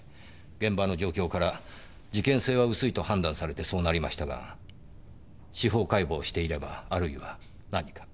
現場の状況から事件性は薄いと判断されてそうなりましたが司法解剖していればあるいは何か。